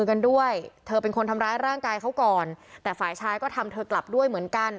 กันด้วยเธอเป็นคนทำร้ายร่างกายเขาก่อนแต่ฝ่ายชายก็ทำเธอกลับด้วยเหมือนกัน